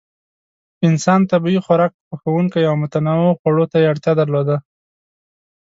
انسان طبیعي خوراک خوښونکی و او متنوع خوړو ته یې اړتیا درلوده.